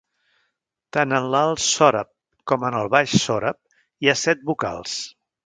Tant en l'alt sòrab com en el baix sòrab hi ha set vocals.